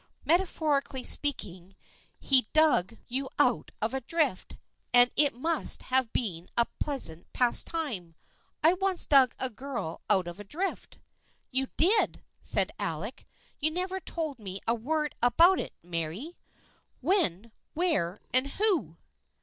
Metaphorically speaking, he dug 136 THE FRIENDSHIP OF ANNE you out of a drift, and it must have been a pleas ant pastime. I once dug a girl out of a drift." " You did !" said Alec. " You never told me a word about it, Merry ! When, where and who?"